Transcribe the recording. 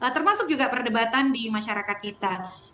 termasuk juga perdebatan di masyarakat kita